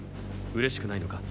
嬉しくないのか？